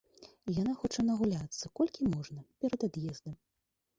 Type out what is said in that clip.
І яна хоча нагуляцца, колькі можна, перад ад'ездам.